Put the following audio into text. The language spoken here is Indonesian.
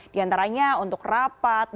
di antaranya untuk rapat